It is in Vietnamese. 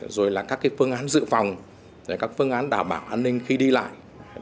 rồi là các phương án dự phòng các phương án đảm bảo an ninh khi đi lại